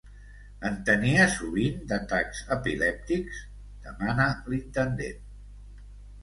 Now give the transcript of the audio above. En tenia sovint, d'atacs epilèptics? —demana l'intendent.